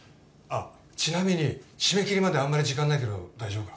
ちなみに締め切りまであんまり時間ないけど大丈夫か？